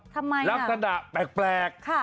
ทำไมน่ะลักษณะแปลก